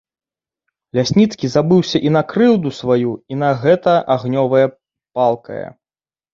Лясніцкі забыўся і на крыўду сваю, і на гэта агнёвае, палкае.